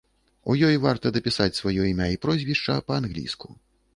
У ёй варта дапісаць сваё імя і прозвішча па-англійску.